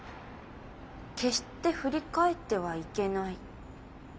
決して振り返ってはいけない！